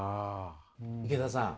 池田さん